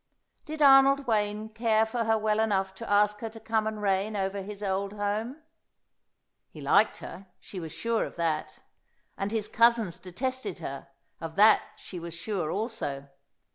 Did Arnold Wayne care for her well enough to ask her to come and reign over his old home? He liked her, she was sure of that. And his cousins detested her, of that she was sure also.